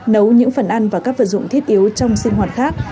nấu những phần ăn và các vật dụng thiết yếu trong sinh hoạt khác